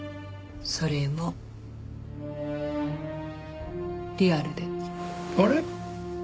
それもリアルで。